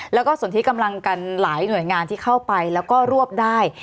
แล้วก็ส่วนที่กำลังกันหลายหน่วยงานที่เข้าไปแล้วก็รวบได้